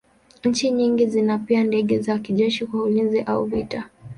Nchi nyingi zina pia ndege za kijeshi kwa ulinzi au vita.